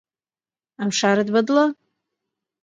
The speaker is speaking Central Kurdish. ئەم شارەت بەدڵە؟